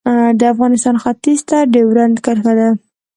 د افغانستان ختیځ ته ډیورنډ کرښه ده